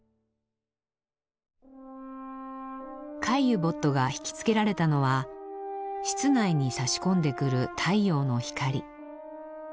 カイユボットが引き付けられたのは室内にさし込んでくる太陽の光。